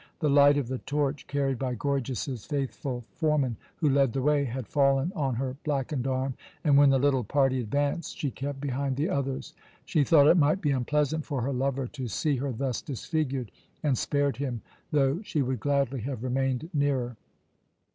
The light of the torch carried by Gorgias's faithful foreman, who led the way, had fallen on her blackened arm, and when the little party advanced she kept behind the others. She thought it might be unpleasant for her lover to see her thus disfigured, and spared him, though she would gladly have remained nearer.